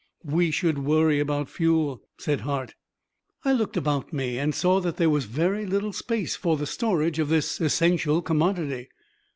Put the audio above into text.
"We should worry about fuel," said Hart. I looked about me and saw that there was very little space for the storage of this essential commodity.